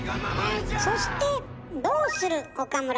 そして「どうする岡村」